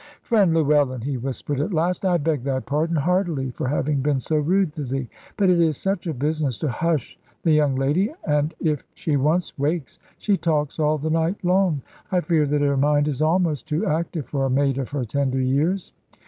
"Friend Llewellyn," he whispered at last, "I beg thy pardon heartily, for having been so rude to thee. But it is such a business to hush the young lady; and if she once wakes she talks all the night long. I fear that her mind is almost too active for a maid of her tender years."